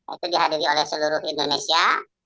itu dihadiri oleh seluruh indonesia